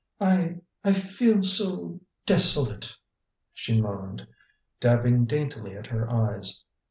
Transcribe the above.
"I I feel so desolate," she moaned, dabbing daintily at her eyes.